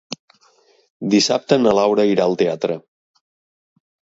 Dissabte na Laura irà al teatre.